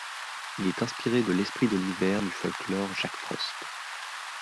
Il est inspiré de l'esprit de l'hiver du folklore Jack Frost.